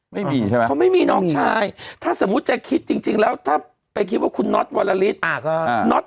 ไม่มีใช่ไหมเขาไม่มีน้องชายถ้าสมมุติจะคิดจริงแล้วถ้าไปคิดว่าคุณน็อตวรลิศน็อต